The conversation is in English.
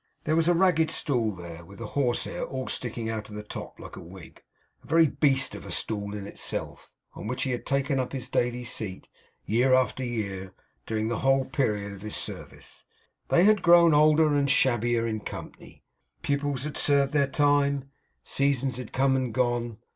There was a ragged stool there, with the horsehair all sticking out of the top like a wig: a very Beast of a stool in itself; on which he had taken up his daily seat, year after year, during the whole period of his service. They had grown older and shabbier in company. Pupils had served their time; seasons had come and gone.